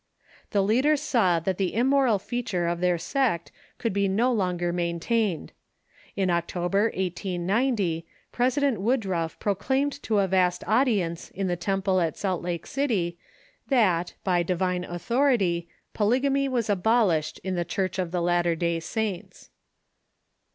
The leaders saw that the immoral feature of their sect could be no longer maintained. In October, 1S90, President Woodruff proclaimed to a vast audience in the tem ple at Salt Lake City that, by divine authority, polygamy Avas abolished in the Church of the Latter Day Saints.